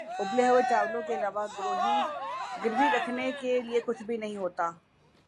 اُبلے ہوئے چاولوں کے علاوہ گروی رکھنے کے لیے کچھ بھی نہیں ہوتا